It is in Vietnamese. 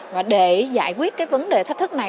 và để giải quyết cái vấn đề thách thức này